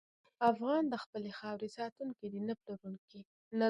افغان د خپلې خاورې ساتونکی دی، نه پلورونکی.